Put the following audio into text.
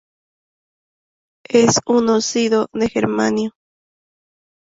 Es un óxido de germanio.